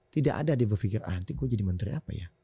tidak ada dia berpikir ah nanti gue jadi menteri apa ya